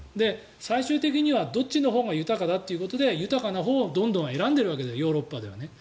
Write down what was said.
最終的にはどっちのほうが豊かだということで豊かなほうをどんどん選んでいるヨーロッパは。